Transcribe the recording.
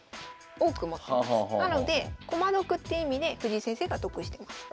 なので駒得って意味で藤井先生が得してます。